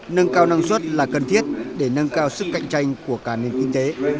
nâng cao năng suất là cần thiết để nâng cao sức cạnh tranh của cả nền kinh tế